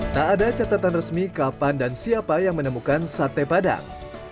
tak ada catatan resmi kapan dan siapa yang menemukan sate padang